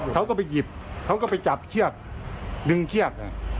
เขาก็ไปหยิบเขาก็ไปจับเชือกดึงเชือก